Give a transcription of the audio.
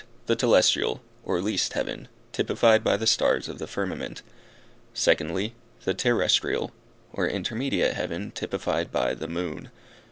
The Telestial, or least heaven, typified by the stars of the firmament. Secondly. The Terrestrial, or intermediate heaven, typified by the moon.